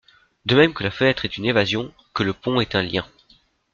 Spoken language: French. De même que la fenêtre est une évasion, que le pont est un lien.